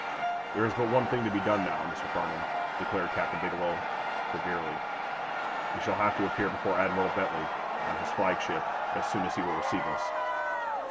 "There is but one thing to be done, now, Mr. Farnum," declared Captain Bigelow, severely. "We shall have to appear before Admiral Bentley, on his flagship, as soon as he will receive us.